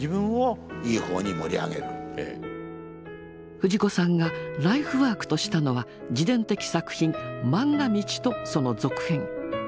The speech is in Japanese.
藤子さんがライフワークとしたのは自伝的作品「まんが道」とその続編。